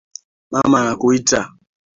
Mama anakuita